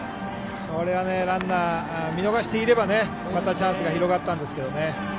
ランナー、見逃していればまたチャンスが広がったんですけどね。